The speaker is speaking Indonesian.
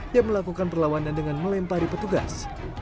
yang melakukan perlawanan dengan melempari petugas